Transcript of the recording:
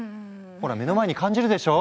ほら目の前に感じるでしょう？